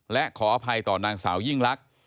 และขออภัยต่อนางสาวยิ่งลักษณ์